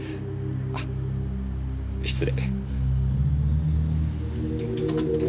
あっ失礼。